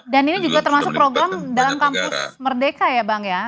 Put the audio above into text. ini juga termasuk program dalam kampus merdeka ya bang ya